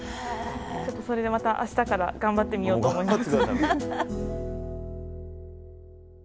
ちょっとそれでまた明日から頑張ってみようと思います。